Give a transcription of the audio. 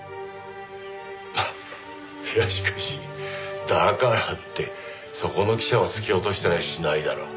いやしかしだからってそこの記者を突き落としたりはしないだろう。